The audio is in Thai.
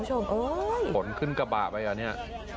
ขนขึ้นกระบะไปอ่ะเนี่ย